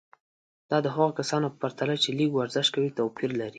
دا د هغو کسانو په پرتله چې لږ ورزش کوي توپیر لري.